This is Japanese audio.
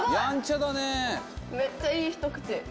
めっちゃいい一口。